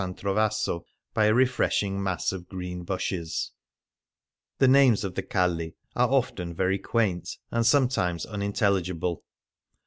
Trovaso, by a re freshing mass of green bushes. The names of the colli are often very quaint^ and sometimes unintelligible.